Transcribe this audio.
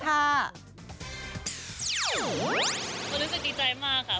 รู้สึกดีใจมากค่ะ